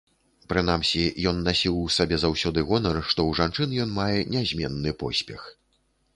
Прынамсі, ён насіў у сабе заўсёды гонар, што ў жанчын ён мае нязменны поспех.